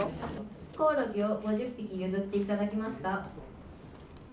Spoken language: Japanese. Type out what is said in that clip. コオロギを５０匹譲っていただきました。